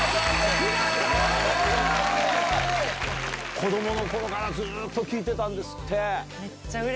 子供の頃からずっと聴いてたんですって。